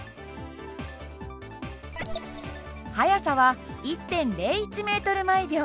速さは１．０１ｍ／ｓ。